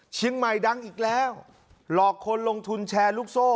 เชียงใหม่ดังอีกแล้วหลอกคนลงทุนแชร์ลูกโซ่